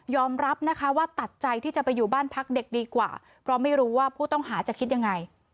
รับนะคะว่าตัดใจที่จะไปอยู่บ้านพักเด็กดีกว่าเพราะไม่รู้ว่าผู้ต้องหาจะคิดยังไง